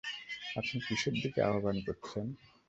আপনি কিসের দিকে আহবান করছেন।